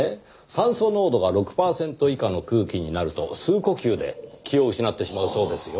酸素濃度が６パーセント以下の空気になると数呼吸で気を失ってしまうそうですよ。